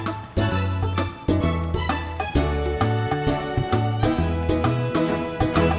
apa jangan jangan gak dikocok ya